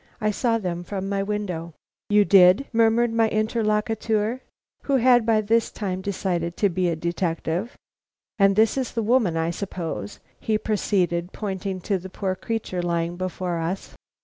I saw them from my window." "You did?" murmured my interlocutor, whom I had by this time decided to be a detective. "And this is the woman, I suppose?" he proceeded, pointing to the poor creature lying before us.